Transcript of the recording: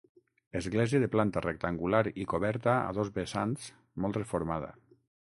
Església de planta rectangular i coberta a dos vessants, molt reformada.